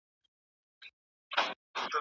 دی د مینې د لارې لاروی و.